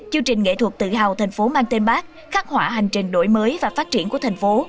chương trình nghệ thuật tự hào thành phố mang tên bác khắc họa hành trình đổi mới và phát triển của thành phố